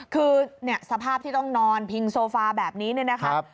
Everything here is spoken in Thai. คือสภาพที่ต้องนอนพิงโซฟาแบบนี้เนี่ยนะครับ